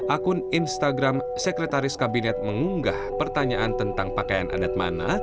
akun instagram sekretaris kabinet mengunggah pertanyaan tentang pakaian adat mana